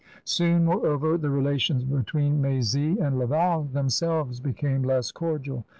Soon, moreover, the relations between M6zy and Laval themselves became less cordial.